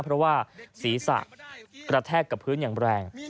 เพราะว่าศีรษะกระแทกกับพื้นอย่างแรง